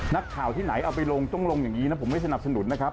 นักข่าวที่ไหนเอาไปลงต้องลงอย่างนี้นะผมไม่สนับสนุนนะครับ